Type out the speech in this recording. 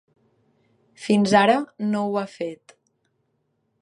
Fins ara no ho ha fet.